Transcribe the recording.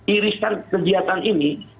iriskan kegiatan ini